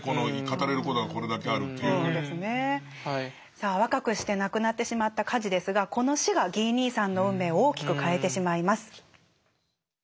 さあ若くして亡くなってしまったカジですがこの死がギー兄さんの運命を大きく変えてしまいます。